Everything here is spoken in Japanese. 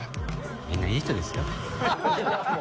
みんないい人ですよ。